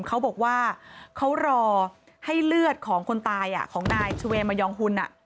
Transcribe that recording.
เขาบอกว่าเขารอให้เลือดของคนตายของนายชเวมยองหุ่น